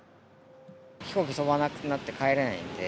飛行機飛ばなくなって帰れないんで。